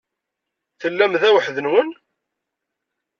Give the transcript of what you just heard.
Tellam da weḥd-nwen?